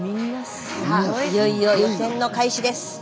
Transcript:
さあいよいよ予選の開始です。